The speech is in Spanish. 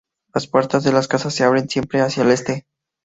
Las puertas de las casas se abren siempre hacia el este.